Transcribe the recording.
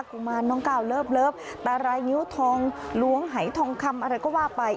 กุมารน้องก้าวเลิฟตารายงิ้วทองล้วงหายทองคำอะไรก็ว่าไป